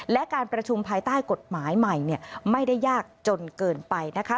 และการประชุมภายใต้กฎหมายใหม่ไม่ได้ยากจนเกินไปนะคะ